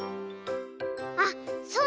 あっそうだ！